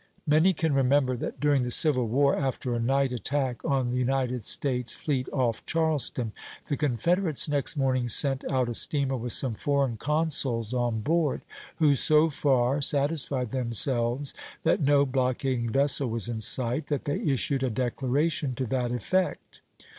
Many can remember that during the Civil War, after a night attack on the United States fleet off Charleston, the Confederates next morning sent out a steamer with some foreign consuls on board, who so far satisfied themselves that no blockading vessel was in sight that they issued a declaration to that effect.